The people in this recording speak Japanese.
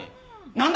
何だ？